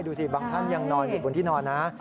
ดูสิบางท่านยังนอนอยู่บนที่นอนนะ